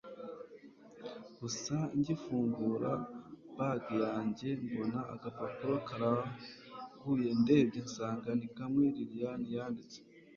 gusa ngifungura bag yanjye mbona agapapuro karaguye ndebye nsanga ni kamwe liliane yanditse